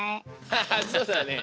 ハハそうだね。